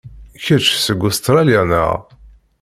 Kečč seg Ustṛalya, naɣ?